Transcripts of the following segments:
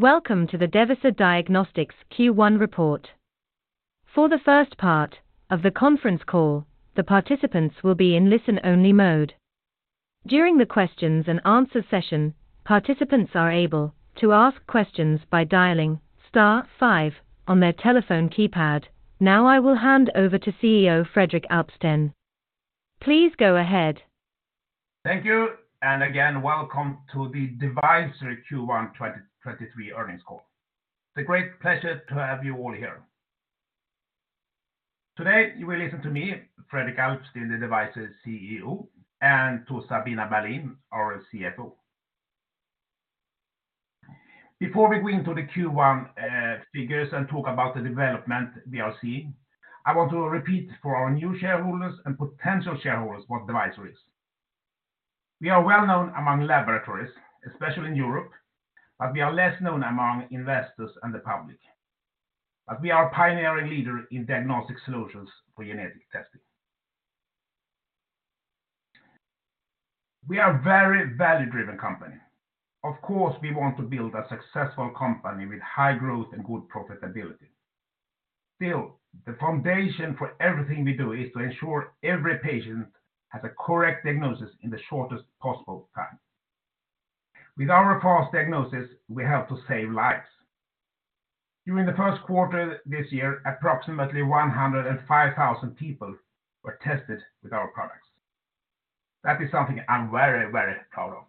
Welcome to the Devyser Diagnostics Q1 report. For the first part of the conference call, the participants will be in listen-only mode. During the questions and answer session, participants are able to ask questions by dialing star five on their telephone keypad. Now I will hand over to CEO Fredrik Alpsten. Please go ahead. Thank you. Again, welcome to the Devyser Q1 2023 Earnings Call. It's a great pleasure to have you all here. Today, you will listen to me, Fredrik Alpsten, the Devyser CEO, and to Sabina Berlin, our CFO. Before we go into the Q1 figures and talk about the development we are seeing, I want to repeat for our new shareholders and potential shareholders what Devyser is. We are well-known among laboratories, especially in Europe, but we are less known among investors and the public. We are a pioneering leader in diagnostic solutions for genetic testing. We are a very value-driven company. Of course, we want to build a successful company with high growth and good profitability. Still, the foundation for everything we do is to ensure every patient has a correct diagnosis in the shortest possible time. With our fast diagnosis, we help to save lives. During the first quarter this year, approximately 105,000 people were tested with our products. That is something I'm very proud of.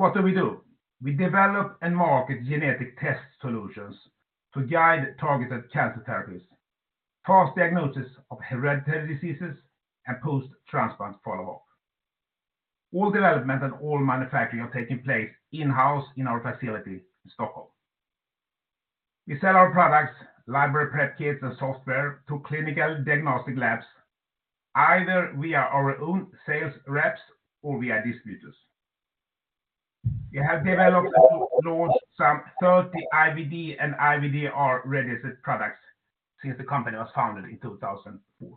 What do we do? We develop and market genetic test solutions to guide targeted cancer therapies, fast diagnosis of hereditary diseases, and post-transplant follow-up. All development and all manufacturing are taking place in-house in our facility in Stockholm. We sell our products, library prep kits, and software to clinical diagnostic labs, either via our own sales reps or via distributors. We have developed some 30 IVD and IVDR-registered products since the company was founded in 2004.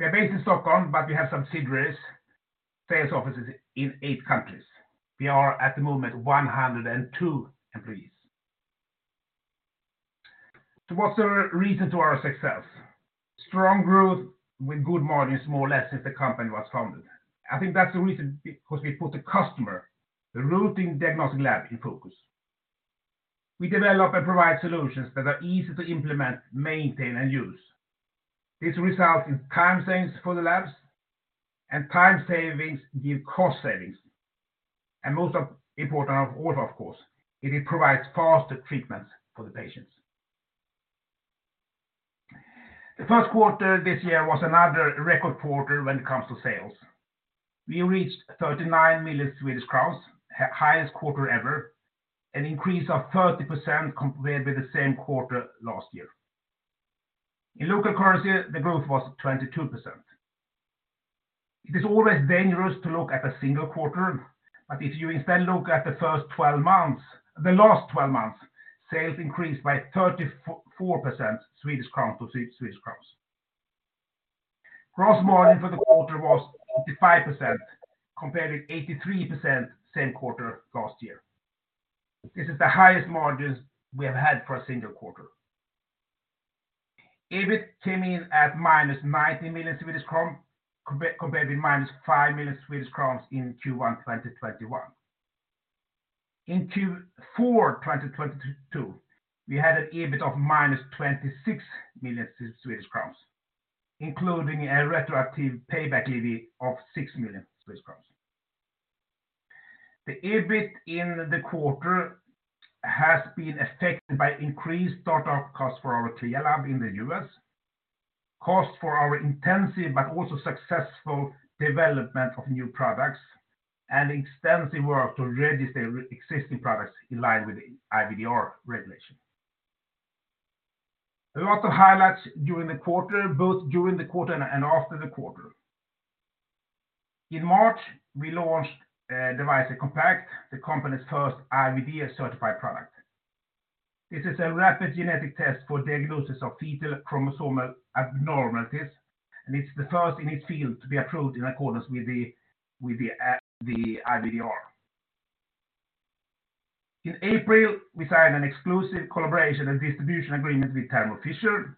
We are based in Stockholm, we have subsidiaries, sales offices in 8 countries. We are at the moment 102 employees. What's the reason to our success? Strong growth with good margins, more or less since the company was founded. I think that's the reason, because we put the customer, the rooting diagnostic lab in focus. We develop and provide solutions that are easy to implement, maintain, and use. This results in time savings for the labs, and time savings give cost savings. Most important of all, of course, it provides faster treatments for the patients. The first quarter this year was another record quarter when it comes to sales. We reached 39 million Swedish crowns, highest quarter ever, an increase of 30% compared with the same quarter last year. In local currency, the growth was 22%. It is always dangerous to look at a single quarter. If you instead look at the last 12 months, sales increased by 34% SEK. Gross margin for the quarter was 85%, compared with 83% same quarter last year. This is the highest margins we have had for a single quarter. EBIT came in at -90 million Swedish crown, compared with -5 million Swedish crowns in Q1 2021. In Q4 2022, we had an EBIT of -26 million Swedish crowns, including a retroactive payback levy of 6 million Swedish crowns. The EBIT in the quarter has been affected by increased startup costs for our CLIA lab in the U.S., cost for our intensive but also successful development of new products, and extensive work to register existing products in line with IVDR regulation. There were also highlights during the quarter, both during the quarter and after the quarter. In March, we launched Devyser Compact, the company's first IVD-certified product. This is a rapid genetic test for diagnosis of fetal chromosomal abnormalities. It's the first in its field to be approved in accordance with the IVDR. In April, we signed an exclusive collaboration and distribution agreement with Thermo Fisher.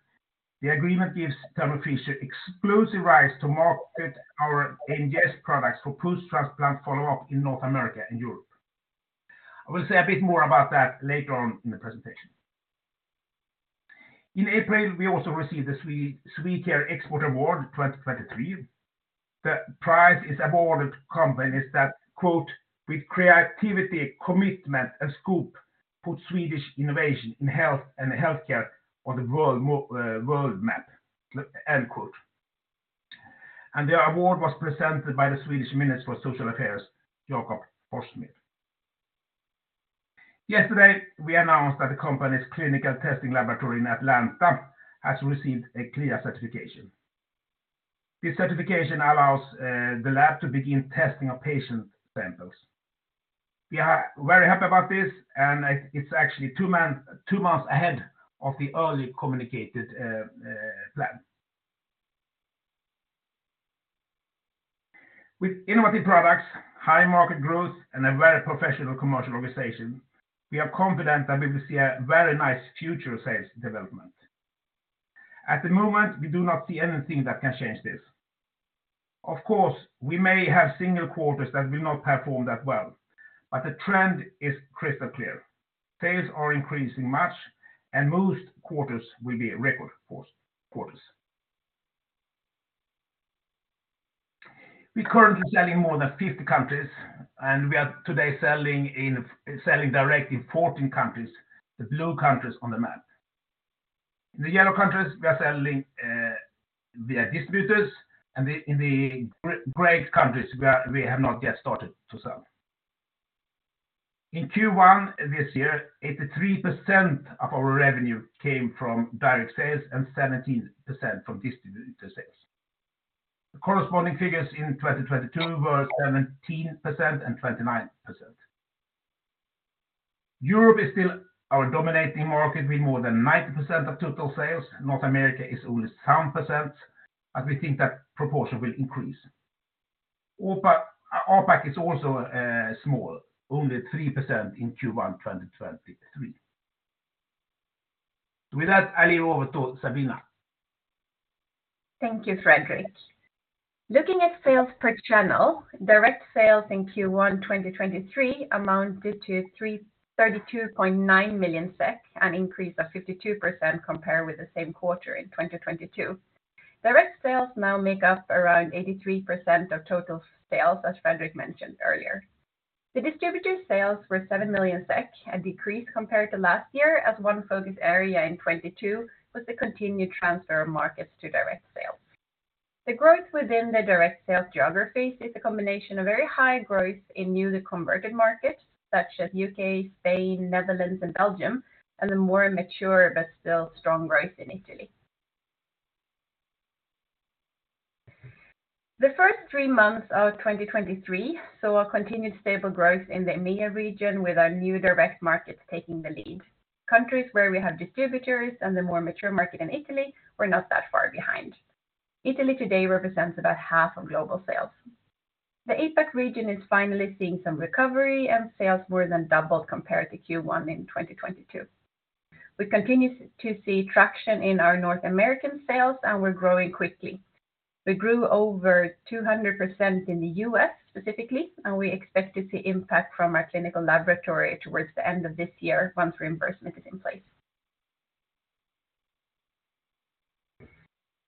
The agreement gives Thermo Fisher exclusive rights to market our NGS products for post-transplant follow-up in North America and Europe. I will say a bit more about that later on in the presentation. In April, we also received the Swecare Export Award 2023. The prize is awarded to companies that, quote, "With creativity, commitment, and scope put Swedish innovation in health and healthcare on the world map." End quote. The award was presented by the Swedish Minister for Social Affairs, Jakob Forssmed. Yesterday, we announced that the company's clinical testing laboratory in Atlanta has received a CLIA certification. This certification allows the lab to begin testing of patient samples. We are very happy about this, it's actually two months ahead of the early communicated plan. With innovative products, high market growth, and a very professional commercial organization, we are confident that we will see a very nice future sales development. At the moment, we do not see anything that can change this. Of course, we may have single quarters that will not perform that well, but the trend is crystal clear. Sales are increasing much, most quarters will be record quarters. We're currently selling in more than 50 countries, and we are today selling direct in 14 countries, the blue countries on the map. In the yellow countries, we are selling via distributors, and in the gray countries, we have not yet started to sell. In Q1 this year, 83% of our revenue came from direct sales and 17% from distributor sales. The corresponding figures in 2022 were 17% and 29%. Europe is still our dominating market with more than 90% of total sales. North America is only some-percent, but we think that proportion will increase. APAC is also small, only 3% in Q1, 2023. With that, I leave over to Sabina. Thank you, Fredrik. Looking at sales per channel, direct sales in Q1 2023 amounted to 32.9 million SEK, an increase of 52% compared with the same quarter in 2022. Direct sales now make up around 83% of total sales, as Fredrik mentioned earlier. The distributor sales were 7 million SEK, a decrease compared to last year, as one focus area in 2022 was the continued transfer of markets to direct sales. The growth within the direct sales geographies is a combination of very high growth in newly converted markets such as U.K., Spain, Netherlands, and Belgium, and the more mature but still strong growth in Italy. The first three months of 2023 saw a continued stable growth in the EMEA region with our new direct markets taking the lead. Countries where we have distributors, and the more mature market in Italy were not that far behind. Italy today represents about half of global sales. The APAC region is finally seeing some recovery and sales more than doubled compared to Q1 in 2022. We continue to see traction in our North American sales, and we're growing quickly. We grew over 200% in the U.S. specifically, and we expect to see impact from our clinical laboratory towards the end of this year once reimbursement is in place.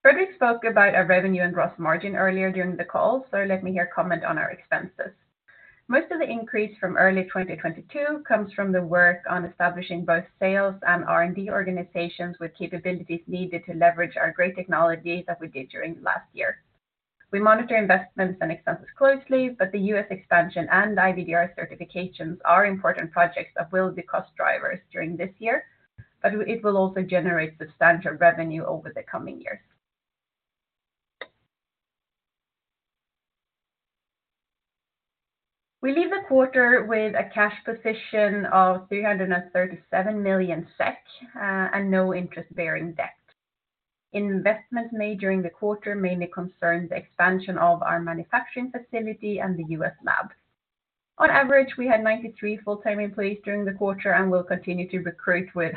Fredrik spoke about our revenue and gross margin earlier during the call, let me here comment on our expenses. Most of the increase from early 2022 comes from the work on establishing both sales and R&D organizations with capabilities needed to leverage our great technology that we did during last year. We monitor investments and expenses closely, but the U.S. expansion and IVDR certifications are important projects that will be cost drivers during this year, but it will also generate substantial revenue over the coming years. We leave the quarter with a cash position of 337 million SEK and no interest-bearing debt. Investment made during the quarter mainly concerns the expansion of our manufacturing facility and the U.S. lab. On average, we had 93 full-time employees during the quarter and will continue to recruit within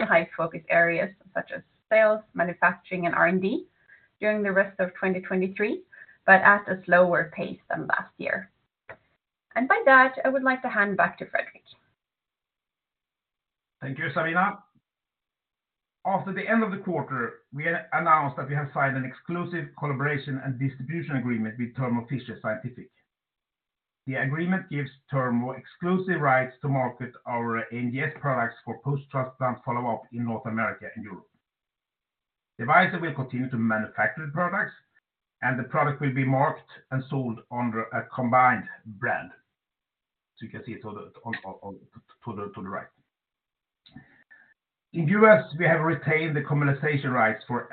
high focus areas such as sales, manufacturing, and R&D during the rest of 2023, but at a slower pace than last year. By that, I would like to hand back to Fredrik. Thank you, Sabina. After the end of the quarter, we announced that we have signed an exclusive collaboration and distribution agreement with Thermo Fisher Scientific. The agreement gives Thermo exclusive rights to market our NGS products for post-transplant follow-up in North America and Europe. Devyser will continue to manufacture the products, and the product will be marked and sold under a combined brand. You can see it on to the right. In U.S., we have retained the commercialization rights for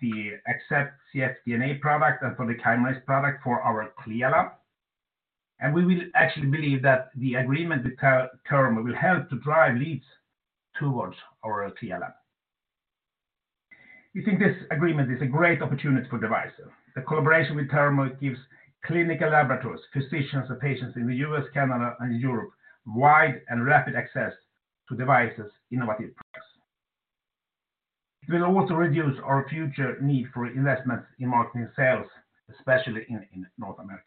the Accept cfDNA product and for the Chimerism product for our ClearLab. We will actually believe that the agreement with Thermo will help to drive leads towards our ClearLab. We think this agreement is a great opportunity for Devyser. The collaboration with Thermo gives clinical laboratories, physicians, and patients in the U.S., Canada, and Europe wide and rapid access to Devyser's innovative products. It will also reduce our future need for investments in marketing sales, especially in North America.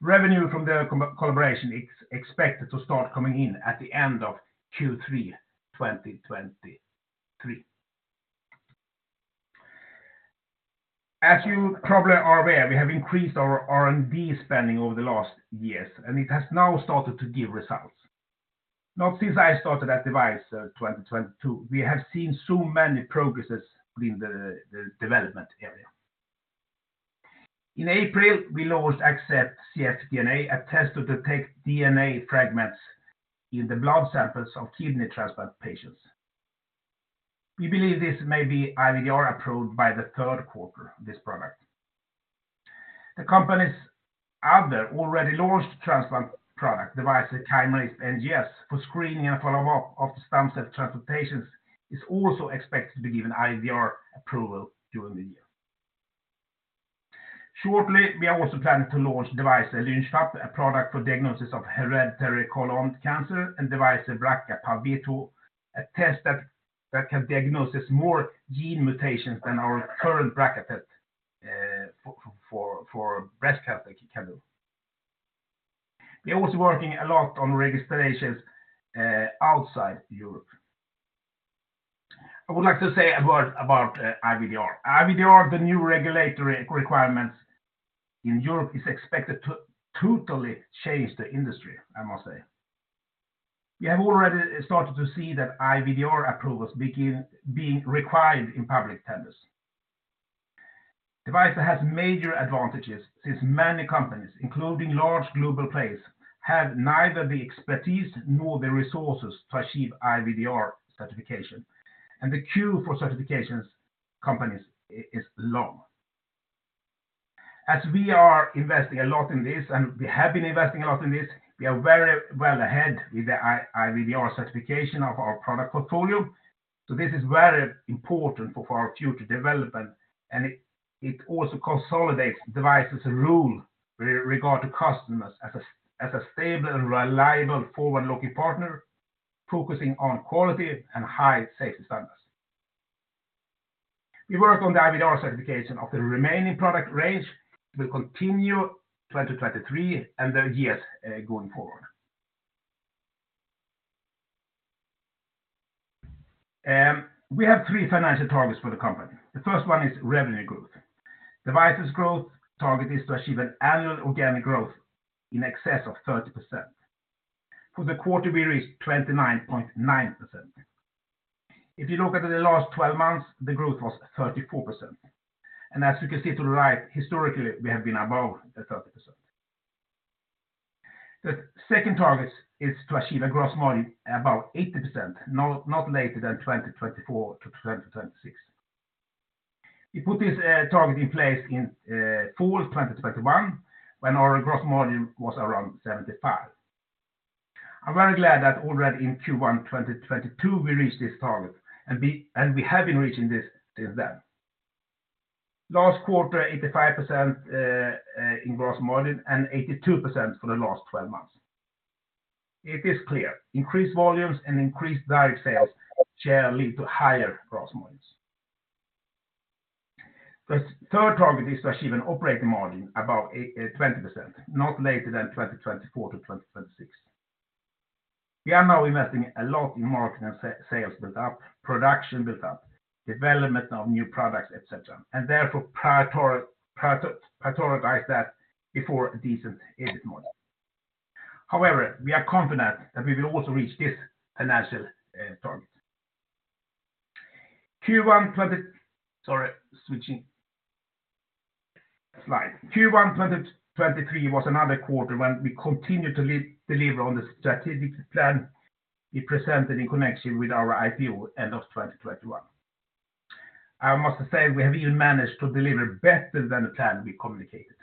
Revenue from the collaboration is expected to start coming in at the end of Q3, 2023. As you probably are aware, we have increased our R&D spending over the last years, it has now started to give results. Not since I started at Devyser 2022, we have seen so many progresses in the development area. In April, we launched Accept cfDNA, a test to detect DNA fragments in the blood samples of kidney transplant patients. We believe this may be IVDR-approved by the 3rd quarter, this product. The company's other already launched transplant product, Devyser Chimerism NGS for screening and follow-up of the stem cell transplantations is also expected to be given IVDR approval during the year. Shortly, we are also planning to launch Devyser LynchFAP, a product for diagnosis of hereditary colon cancer, and Devyser BRCA PALB2, a test that can diagnosis more gene mutations than our current BRCA test, for breast cancer can do. We're also working a lot on registrations outside Europe. I would like to say a word about IVDR. IVDR, the new regulatory requirements in Europe, is expected to totally change the industry, I must say. We have already started to see that IVDR approvals being required in public tenders. Devyser has major advantages since many companies, including large global players, have neither the expertise nor the resources to achieve IVDR certification. The queue for certifications companies is long. As we are investing a lot in this, and we have been investing a lot in this, we are very well ahead with the IVDR certification of our product portfolio. This is very important for our future development, and it also consolidates Devyser's role regard to customers as a stable and reliable forward-looking partner focusing on quality and high safety standards. We work on the IVDR certification of the remaining product range will continue 2023 and the years going forward. We have three financial targets for the company. The first one is revenue growth. Devyser's growth target is to achieve an annual organic growth in excess of 30%. For the quarter, we reached 29.9%. If you look at the last 12 months, the growth was 34%. As you can see to the right, historically, we have been above the 30%. The second target is to achieve a gross margin above 80% not later than 2024-2026. We put this target in place in fall of 2021 when our gross margin was around 75%. I'm very glad that already in Q1 2022 we reached this target, and we have been reaching this since then. Last quarter, 85% in gross margin and 82% for the last 12 months. It is clear increased volumes and increased direct sales share lead to higher gross margins. The third target is to achieve an operating margin above 20%, not later than 2024-2026. We are now investing a lot in marketing and sales buildup, production buildup, development of new products, et cetera, and therefore prioritize that before a decent EBIT margin. However, we are confident that we will also reach this financial target. Q1 2023 was another quarter when we continued to deliver on the strategic plan we presented in connection with our IPO end of 2021. I must say we have even managed to deliver better than the plan we communicated.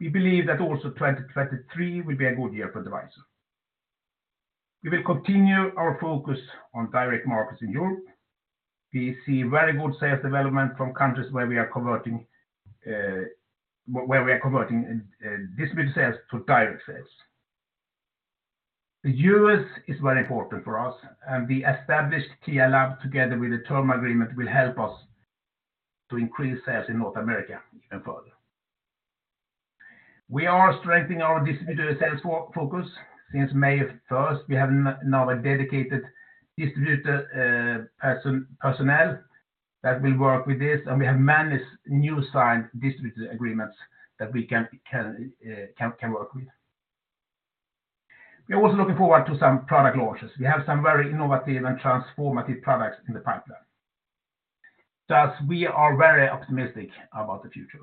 We believe that also 2023 will be a good year for Devyser. We will continue our focus on direct markets in Europe. We see very good sales development from countries where we are converting distributor sales to direct sales. The U.S. is very important for us, and the established CLIA lab together with the Thermo agreement will help us to increase sales in North America even further. We are strengthening our distributor sales focus. Since May 1st, we have now a dedicated distributor personnel that will work with this, and we have managed new signed distributor agreements that we can work with. We're also looking forward to some product launches. We have some very innovative and transformative products in the pipeline. Thus, we are very optimistic about the future.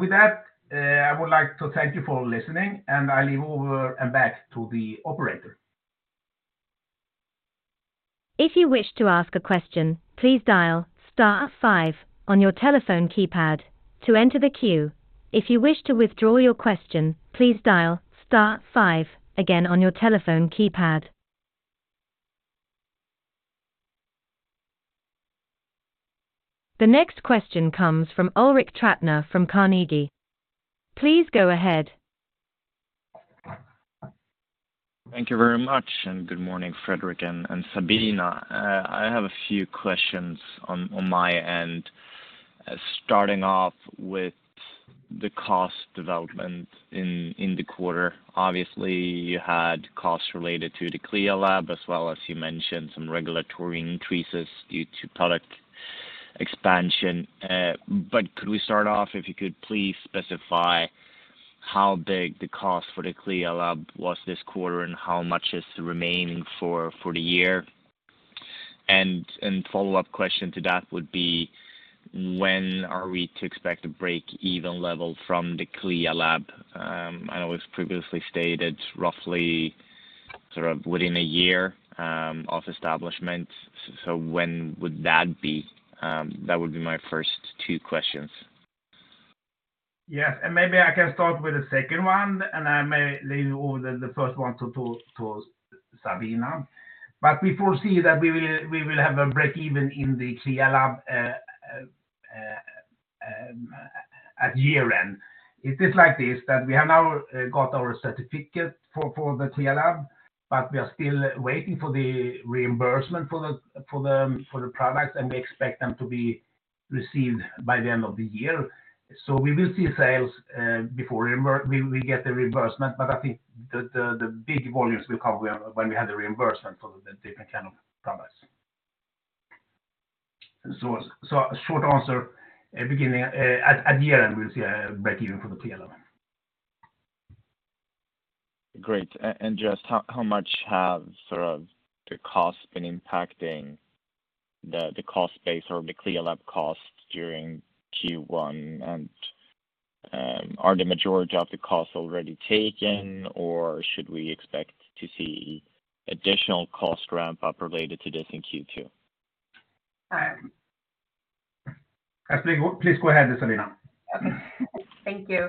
With that, I would like to thank you for listening, and I leave over and back to the operator. If you wish to ask a question, please dial star five on your telephone keypad to enter the queue. If you wish to withdraw your question, please dial star five again on your telephone keypad. The next question comes from Ulrik Trattner from Carnegie. Please go ahead. Thank you very much. Good morning, Fredrik and Sabina. I have a few questions on my end, starting off with the cost development in the quarter. Obviously, you had costs related to the CLIA lab as well as you mentioned some regulatory increases due to product expansion. Could we start off, if you could please specify how big the cost for the CLIA lab was this quarter, and how much is remaining for the year? Follow-up question to that would be when are we to expect a break-even level from the CLIA lab? I know it was previously stated sort of within a year of establishment. When would that be? That would be my first two questions. Yes. Maybe I can start with the second one, and I may leave over the first one to Sabina. We foresee that we will have a break-even in the CLIA lab at year-end. It is like this, that we have now got our certificate for the CLIA lab, but we are still waiting for the reimbursement for the products, and we expect them to be received by the end of the year. We will see sales before we get the reimbursement, but I think the big volumes will come when we have the reimbursement for the different kind of products. Short answer, beginning at year-end, we'll see a break-even for the CLIA lab. Great. Just how much have, sort of the costs been impacting the cost base or the CLIA lab costs during Q1? Are the majority of the costs already taken, or should we expect to see additional cost ramp up related to this in Q2? Please go ahead, Sabina. Okay. Thank you.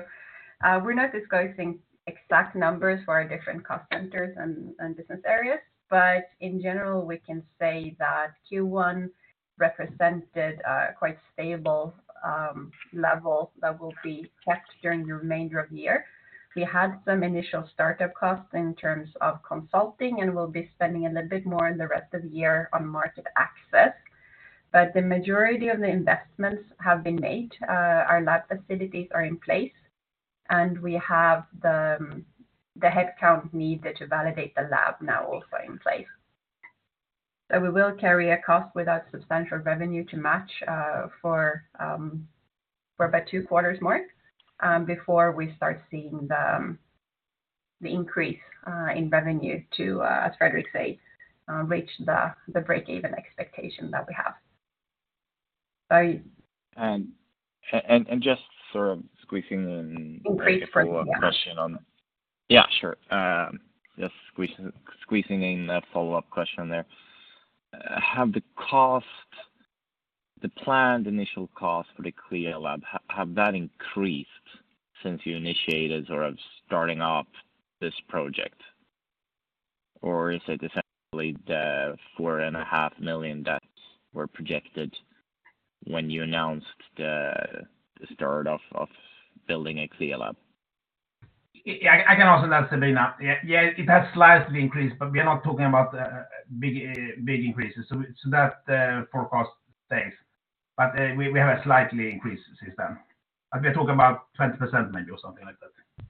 We're not disclosing exact numbers for our different cost centers and business areas. In general, we can say that Q1 represented a quite stable level that will be kept during the remainder of the year. We had some initial startup costs in terms of consulting, and we'll be spending a little bit more in the rest of the year on market access. The majority of the investments have been made. Our lab facilities are in place, and we have the headcount needed to validate the lab now also in place. We will carry a cost without substantial revenue to match for about two quarters more before we start seeing the increase in revenue to as Fredrik said, reach the break-even expectation that we have. Sorry. Just sort of squeezing in Go for it, yes. Just squeezing in a follow-up question there. Have the costs, the planned initial cost for the CLIA lab, have that increased since you initiated, sort of starting up this project? Or is it essentially the four and a half million that were projected when you announced the start of building a CLIA lab? I can also answer that, Sabina. It has slightly increased, but we are not talking about big big increases. That forecast stays. We have a slightly increased system. Like we're talking about 20% maybe or something like that.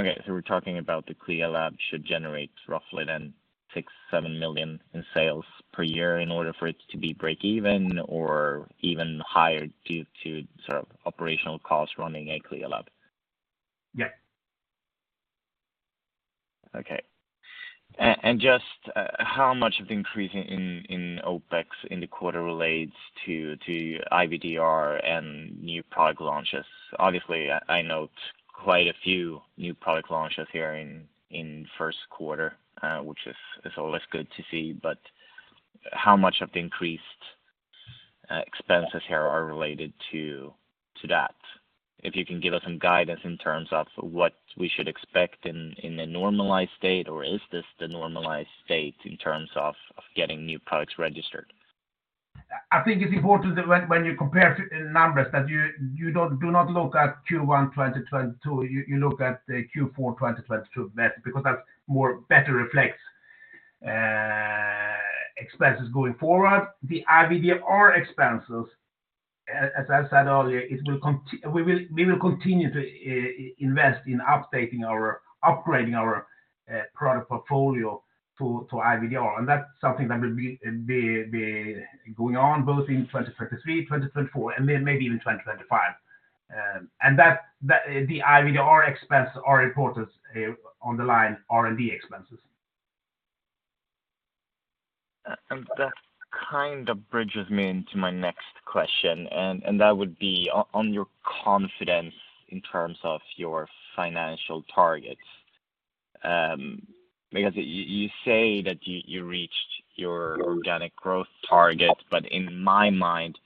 Okay. We're talking about the CLIA lab should generate roughly then 6 million-7 million in sales per year in order for it to be break even or even higher due to sort of operational-costs running a CLIA lab. Yeah. Okay. Just, how much of the increase in OpEx in the quarter relates to IVDR and new product launches? Obviously, I note quite a few new product launches here in first quarter, which is always good to see. How much of the increased expenses here are related to that? If you can give us some guidance in terms of what we should expect in a normalized state, or is this the normalized state in terms of getting new products registered? I think it's important that when you compare numbers that you do not look at Q1 2022, you look at the Q4 2022 because that's more better reflects expenses going forward. The IVDR expenses, as I said earlier, we will continue to invest in updating our, upgrading our product portfolio to IVDR. That's something that will be going on both in 2023, 2024, and then maybe even 2025. That, the IVDR expense are reported on the line R&D expenses. That kind of bridges me into my next question, and that would be on your confidence in terms of your financial targets. Because you say that you reached your organic growth target, but in my mind,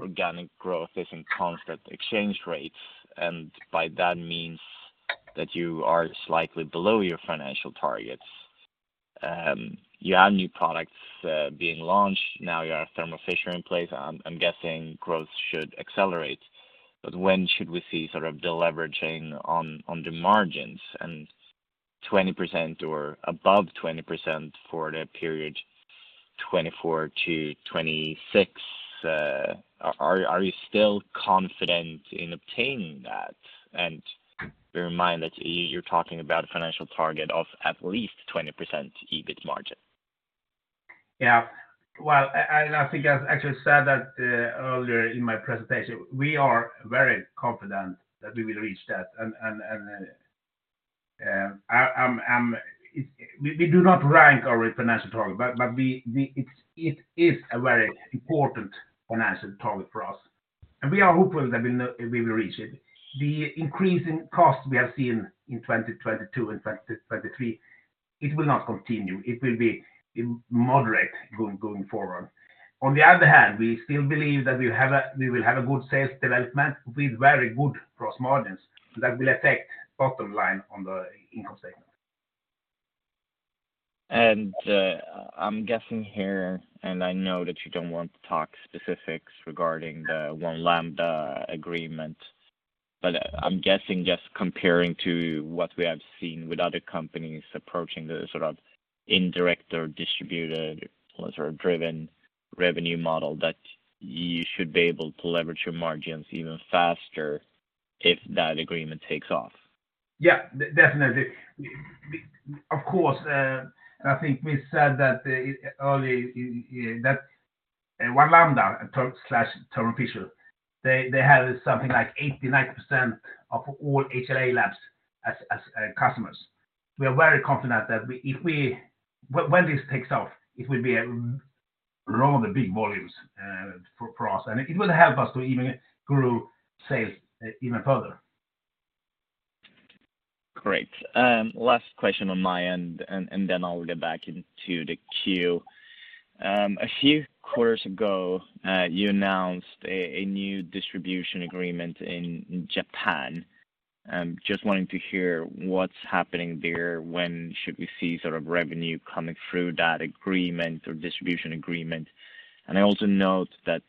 organic growth is in constant exchange rates, and by that means that you are slightly below your financial targets. You have new products being launched. Now you have Thermo Fisher in place. I'm guessing growth should accelerate. When should we see sort of the leveraging on the margins and 20% or above 20% for the period 2024-2026? Are you still confident in obtaining that? Bear in mind that you're talking about a financial target of at least 20% EBIT margin. Yeah. Well, and I think I actually said that earlier in my presentation, we are very confident that we will reach that. We do not rank our financial target, but it is a very important financial target for us. We are hopeful that we will reach it. The increase in costs we have seen in 2022 and 2023, it will not continue. It will be moderate going forward. On the other hand, we still believe that we will have a good sales development with very good gross margins that will affect bottom line on the income statement. I'm guessing here, and I know that you don't want to talk specifics regarding the One Lambda agreement, but I'm guessing just comparing to what we have seen with other companies approaching the sort of indirect or distributed or sort of driven revenue model, that you should be able to leverage your margins even faster if that agreement takes off. Yeah, definitely. We of course, and I think we said that, early in that One Lambda/Thermo Fisher, they have something like 80%-90% of all HLA labs as customers. We are very confident that when this takes off, it will be a lot of big volumes for us, and it will help us to even grow sales even further. Great. Last question on my end, and then I'll get back into the queue. A few quarters ago, you announced a new distribution agreement in Japan. Just wanting to hear what's happening there. When should we see sort of revenue coming through that agreement or distribution agreement? I also note that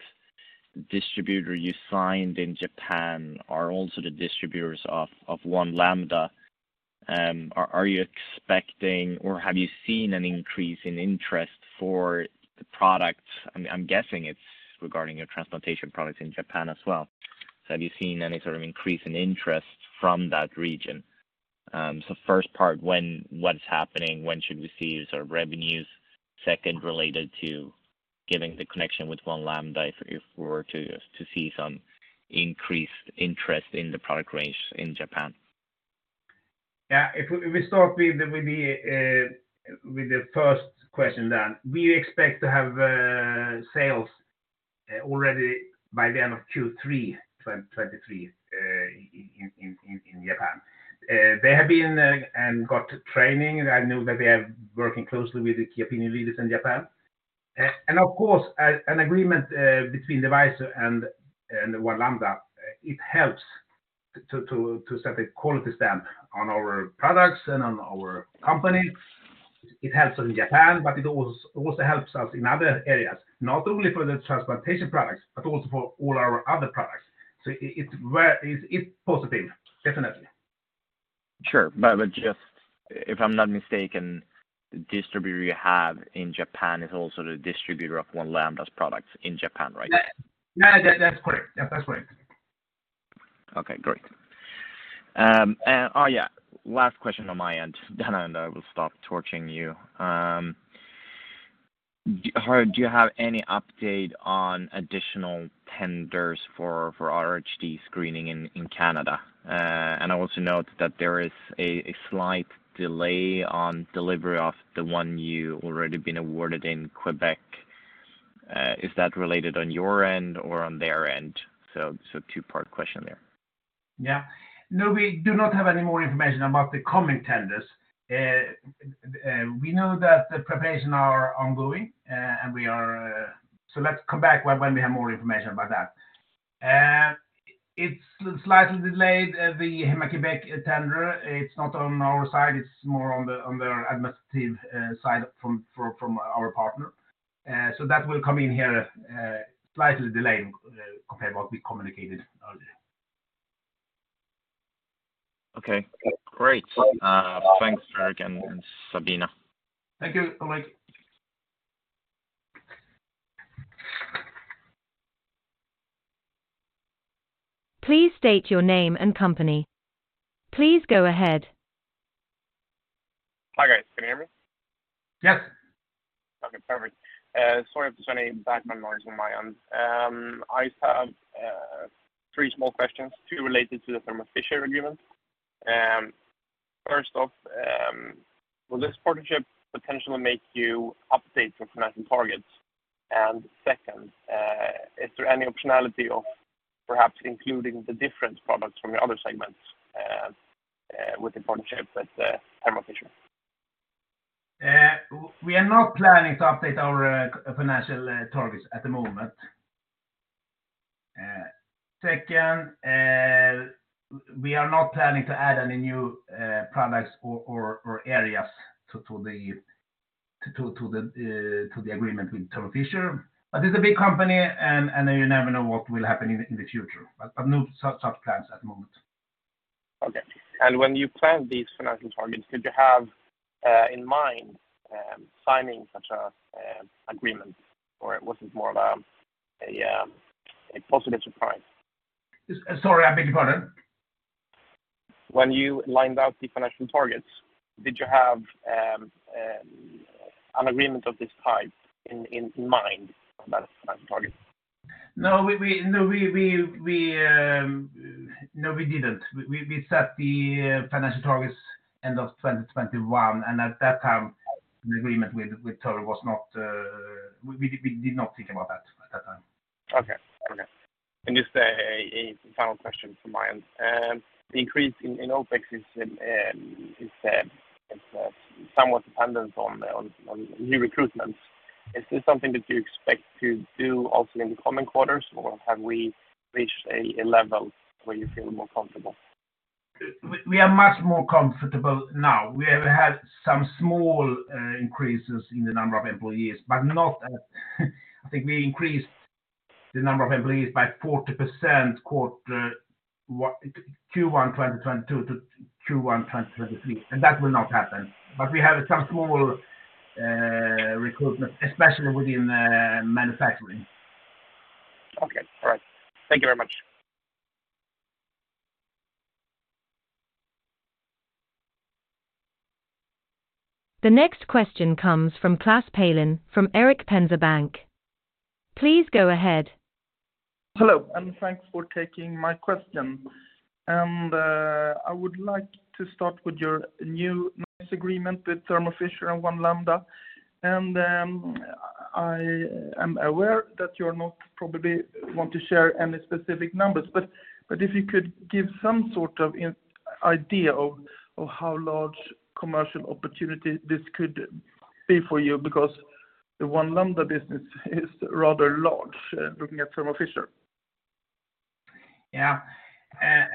distributor you signed in Japan are also the distributors of One Lambda. Are you expecting or have you seen an increase in interest for the products? I'm guessing it's regarding your transplantation products in Japan as well. Have you seen any sort of increase in interest from that region? First part, what's happening, when should we see sort of revenues? Second, related to given the connection with One Lambda, if we were to see some increased interest in the product range in Japan. Yeah. If we start with the first question, Dan, we expect to have sales already by the end of Q3 2023 in Japan. They have been and got training. I know that they are working closely with the key opinion leaders in Japan. Of course, an agreement between Devyser and One Lambda, it helps to set a quality stamp on our products and on our company. It helps in Japan, but it also helps us in other areas, not only for the transplantation products, but also for all our other products. It's very positive, definitely. Sure. just if I'm not mistaken, the distributor you have in Japan is also the distributor of One Lambda's products in Japan, right? Yeah, that's correct. Okay, great. Oh, yeah, last question on my end, Dan, and I will stop torching you. Do you have any update on additional tenders for RHD screening in Canada? I also note that there is a slight delay on delivery of the one you already been awarded in Quebec. Is that related on your end or on their end? Two-part question there. Yeah. No, we do not have any more information about the coming tenders. We know that the preparation are ongoing. Let's come back when we have more information about that. It's slightly delayed, the Héma-Québec tender. It's not on our side. It's more on their administrative side from our partner. That will come in here, slightly delayed, compared what we communicated earlier. Okay, great. Thanks, Fredrik and Sabina. Thank you. Bye-bye. Please state your name and company. Please go ahead. Hi, guys. Can you hear me? Yes. Okay, perfect. Sorry if there's any background noise on my end. I have three small questions, two related to the Thermo Fisher agreement. First off, will this partnership potentially make you update your financial targets? Second, is there any optionality of perhaps including the different products from your other segments with the partnership with Thermo Fisher? We are not planning to update our financial targets at the moment. Second, we are not planning to add any new products or areas to the agreement with Thermo Fisher. It's a big company, and you never know what will happen in the future. No such plans at the moment. Okay. When you planned these financial targets, did you have in mind signing such a agreement or was it more of a positive surprise? Sorry, I beg your pardon. When you lined out the financial targets, did you have an agreement of this type in mind about financial targets? No, we didn't. We set the financial targets end of 2021. The agreement with Thermo was not, we did not think about that at that time. Okay. Just a final question from my end. The increase in OpEx is somewhat dependent on new recruitments. Is this something that you expect to do also in the coming quarters, or have we reached a level where you feel more comfortable? We are much more comfortable now. We have had some small increases in the number of employees. I think we increased the number of employees by 40% Q1 2022-Q1 2023. That will not happen. We have some small recruitment, especially within manufacturing. Okay. All right. Thank you very much. The next question comes from Klas Palin from Erik Penser Bank. Please go ahead. Hello, thanks for taking my question. I would like to start with your new, nice agreement with Thermo Fisher and One Lambda. I am aware that you're not probably want to share any specific numbers, but if you could give some sort of idea of how large commercial opportunity this could be for you, because the One Lambda business is rather large, looking at Thermo Fisher. Yeah. I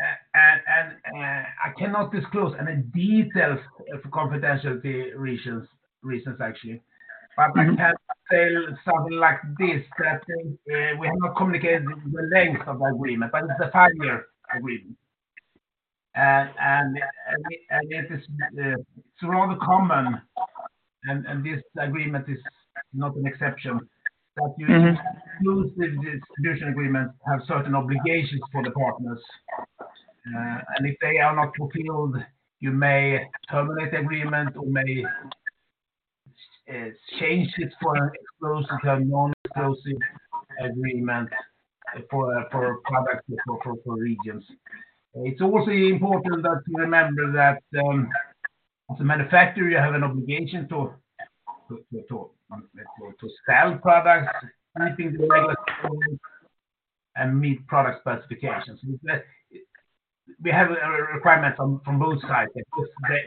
cannot disclose any details for confidentiality reasons actually. I can say something like this, that we have not communicated the length of agreement, but it's a 5-year agreement. And it is rather common, and this agreement is not an exception, that you include the distribution agreement have certain obligations for the partners. If they are not fulfilled, you may terminate agreement or may change it from an exclusive to a non-exclusive agreement for products or for regions. It's also important that you remember that as a manufacturer, you have an obligation to sell products keeping the regulatory and meet product specifications. We have requirements from both sides. They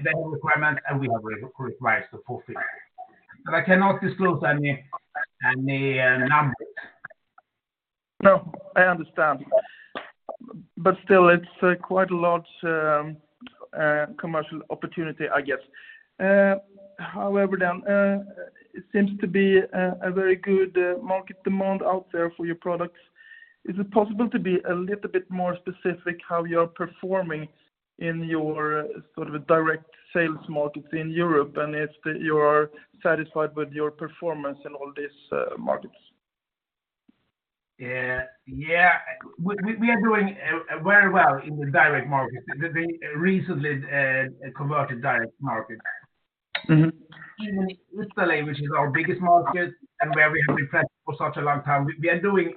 have requirements, and we have requirements to fulfill. I cannot disclose any numbers. No, I understand. Still, it's quite a large commercial opportunity, I guess. However, it seems to be a very good market demand out there for your products. Is it possible to be a little bit more specific how you're performing in your sort of direct sales markets in Europe? If you are satisfied with your performance in all these markets? Yeah. We are doing very well in the direct market, the recently converted direct market. In Italy, which is our biggest market and where we have been present for such a long time, we are doing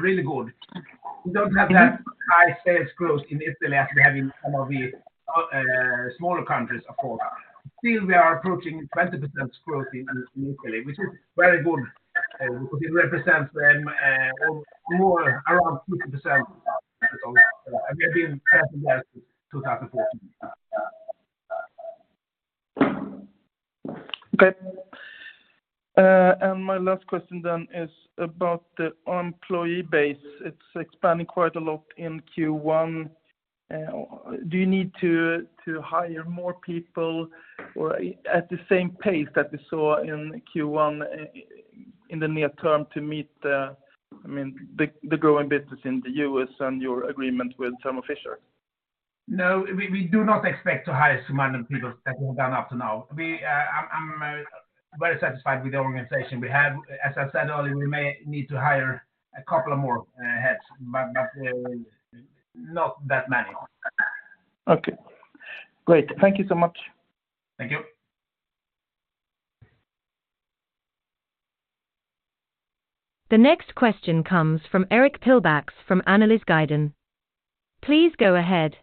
really good. We don't have that high sales growth in Italy as we have in some of the smaller countries, of course. Still, we are approaching 20% growth in Italy, which is very good, because it represents more around 50% of total. And we've been present there since 2014. Okay. My last question then is about the employee base. It's expanding quite a lot in Q1. Do you need to hire more people or at the same pace that we saw in Q1 in the near term to meet, I mean, the growing business in the U.S. and your agreement with Thermo Fisher? No, we do not expect to hire as many people that we've done up to now. We, I'm very satisfied with the organization we have. As I said earlier, we may need to hire a couple of more heads, but not that many. Okay. Great. Thank you so much. Thank you. The next question comes from Erik Pilbäck from Analysguiden. Please go ahead.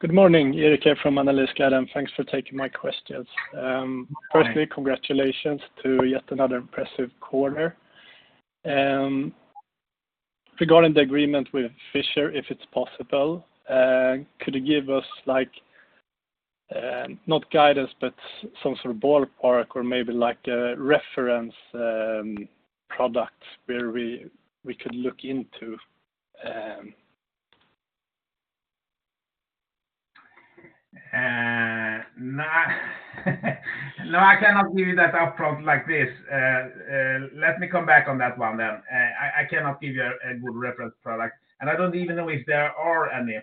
Good morning, Erik here from Analysguiden. Thanks for taking my questions. Hi. Firstly, congratulations to yet another impressive quarter. Regarding the agreement with Fisher, if it's possible, could you give us not guidance, but some sort of ballpark or maybe a reference product where we could look into? No. No, I cannot give you that upfront like this. Let me come back on that one then. I cannot give you a good reference product. I don't even know if there are any.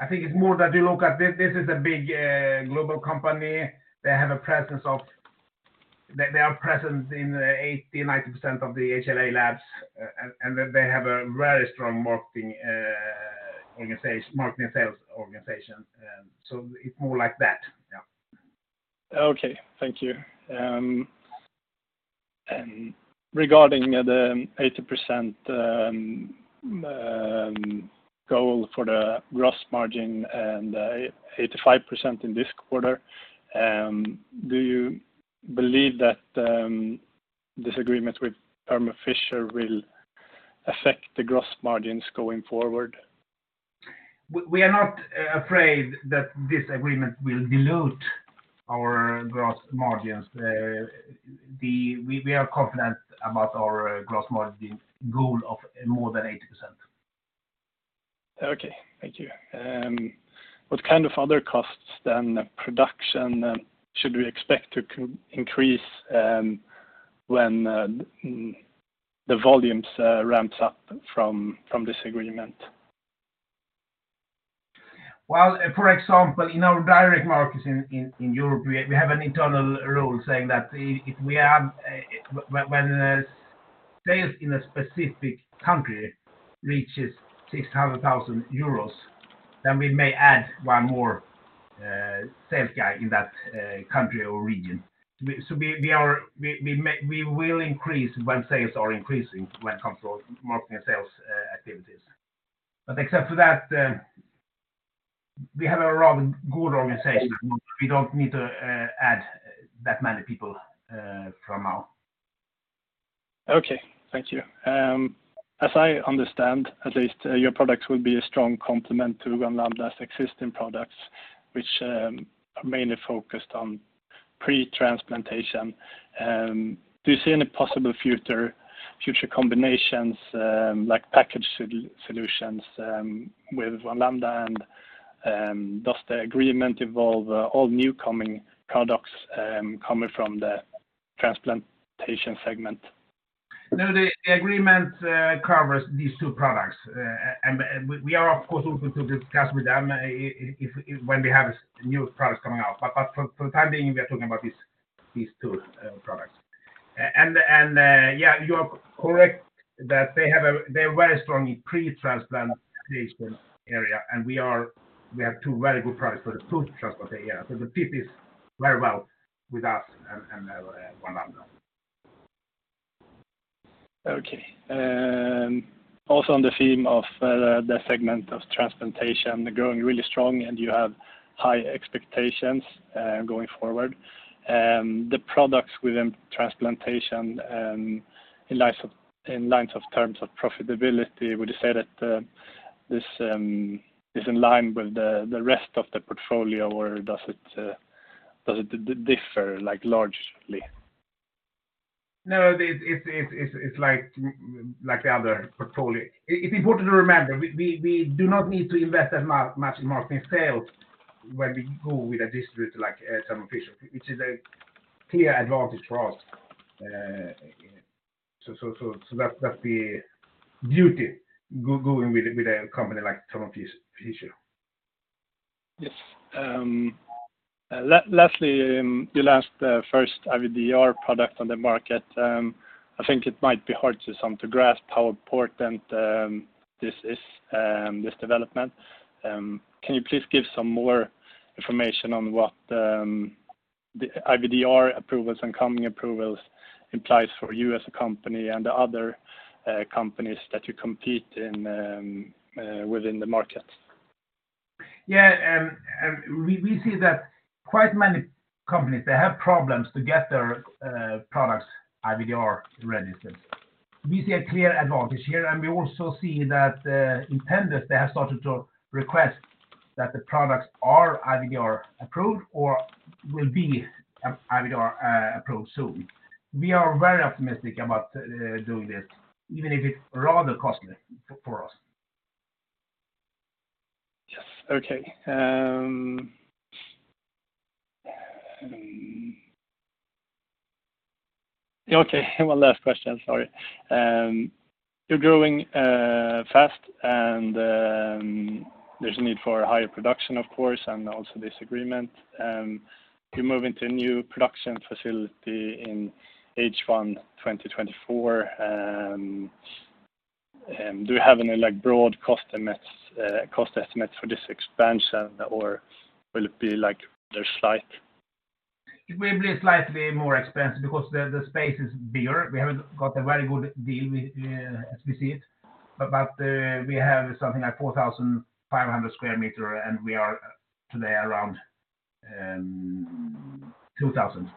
I think it's more that you look at this is a big global company. They are present in 80%, 90% of the HLA labs. They have a very strong marketing organization, marketing sales organization. It's more like that. Okay, thank you. Regarding the 80% goal for the gross margin and 85% in this quarter, do you believe that this agreement with Thermo Fisher will affect the gross margins going forward? We are not afraid that this agreement will dilute our gross margins. We are confident about our gross margin goal of more than 80%. Thank you. What kind of other costs than production should we expect to increase when the volumes ramps up from this agreement? For example, in our direct markets in Europe, we have an internal rule saying that when sales in a specific country reaches 600,000 euros, then we may add one more sales guy in that country or region. We will increase when sales are increasing when it comes to marketing and sales activities. Except for that, we have a rather good organization. We don't need to add that many people from now. Okay. Thank you. As I understand at least, your products will be a strong complement to One Lambda's existing products, which are mainly focused on pre-transplantation. Do you see any possible future combinations, like package solutions, with One Lambda? Does the agreement involve all new coming products coming from the Transplantation segment? The agreement covers these two products. We are of course open to discuss with them if when we have new products coming out. For the time being, we are talking about these two products. Yeah, you are correct that they're very strong in pre-transplantation area, and we have two very good products for the post-transplantation area. It fits very well with us, and One-Lambda. Okay. Also on the theme of the segment of transplantation growing really strong, you have high expectations going forward. The products within transplantation, in lines of terms of profitability, would you say that this is in line with the rest of the portfolio? Does it differ like largely? It's like the other portfolio. It's important to remember, we do not need to invest that much in marketing sales when we go with a distributor like Thermo Fisher, which is a clear advantage for us. So that's the beauty going with a company like Thermo Fisher. Yes. Lastly, you launched the first IVDR product on the market. I think it might be hard to some to grasp how important this is, this development. Can you please give some more information on what the IVDR approvals and coming approvals implies for you as a company and the other companies that you compete in within the market? Yeah. We see that quite many companies, they have problems to get their products IVDR registered. We see a clear advantage here. We also see that intending they have started to request that the products are IVDR approved or will be IVDR approved soon. We are very optimistic about doing this, even if it's rather costly for us. Yes. Okay. One last question. Sorry. You're growing fast and there's a need for higher production, of course, and also this agreement. You're moving to a new production facility in H1 2024. Do you have any like broad cost estimates for this expansion, or will it be like they're slight? It will be slightly more expensive because the space is bigger. We have got a very good deal we, as we see it. We have something like 4,500 square meters, and we are today around 2,000.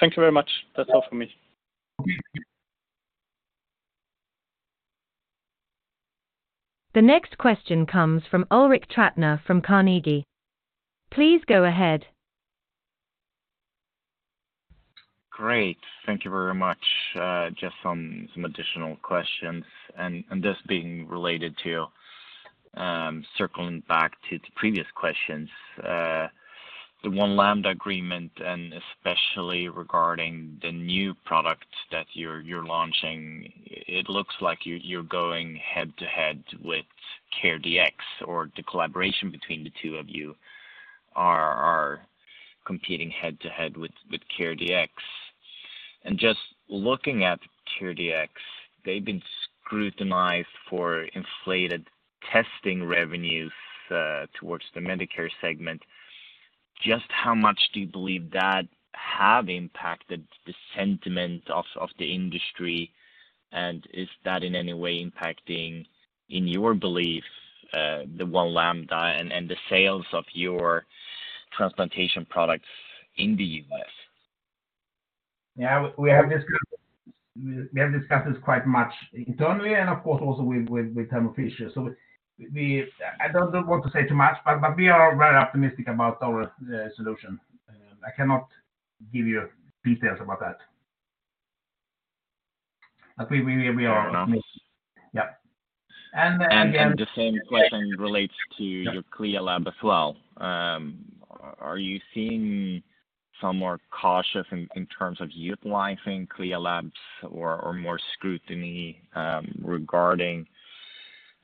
Thank you very much. That's all from me. Okay. The next question comes from Ulrik Trattner from Carnegie. Please go ahead. Great. Thank you very much. Just some additional questions. This being related to, circling back to the previous questions. The One Lambda agreement, and especially regarding the new product that you're launching, it looks like you're going head-to-head with CareDx or the collaboration between the two of you are competing head-to-head with CareDx. Just looking at CareDx, they've been scrutinized for inflated testing revenues towards the Medicare segment. Just how much do you believe that have impacted the sentiment of the industry? Is that in any way impacting, in your belief, the One Lambda and the sales of your transplantation products in the U.S.? Yeah. We have discussed this quite much internally and of course, also with Thermo Fisher. I don't want to say too much, but we are very optimistic about our solution. I cannot give you details about that. We are. Fair enough. Yeah. The same question relates to your CLIA lab as well. Are you seeing some more cautious in terms of utilizing CLIA labs or more scrutiny regarding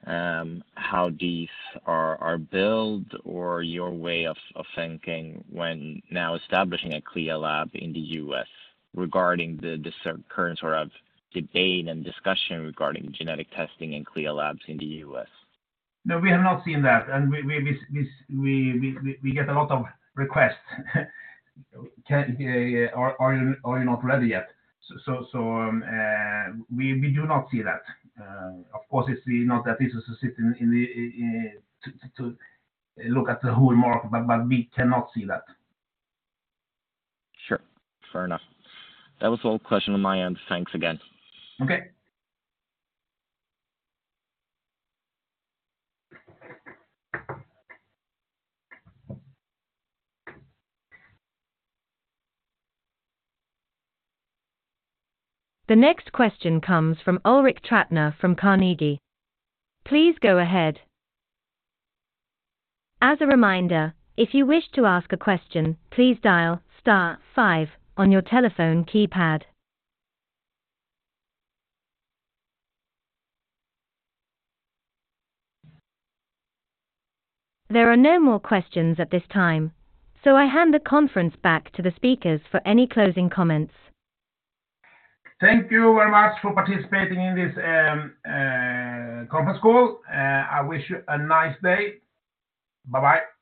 how these are built, or your way of thinking when now establishing a CLIA lab in the U.S. regarding this current sort of debate and discussion regarding genetic testing and CLIA labs in the U.S.? No, we have not seen that. We, this, we get a lot of requests. Are you, are you not ready yet? We do not see that. Of course, it's not that this is a system to look at the whole market, but we cannot see that. Sure. Fair enough. That was all question on my end. Thanks again. Okay. The next question comes from Ulrik Trattner from Carnegie. Please go ahead. As a reminder, if you wish to ask a question, please dial star five on your telephone keypad. There are no more questions at this time. I hand the conference back to the speakers for any closing comments. Thank you very much for participating in this conference call. I wish you a nice day. Bye-bye.